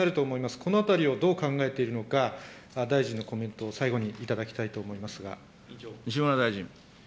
このあたりをどう考えているのか、大臣のコメントを最後に頂きたい西村大臣。